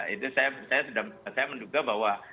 itu saya saya sudah saya menduga bahwa